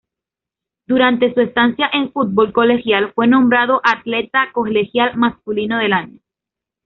Durante su estancia en fútbol colegial fue nombrado Atleta colegial masculino del año.